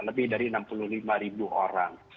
lebih dari enam puluh lima ribu orang